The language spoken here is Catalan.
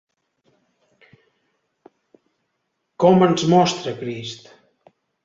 Com ens mostra Crist?